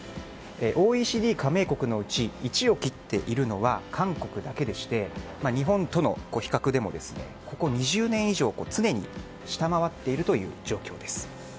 ＯＥＣＤ加盟国のうち１を切っているのは韓国だけでして日本との比較でもここ２０年以上常に下回っているという状況です。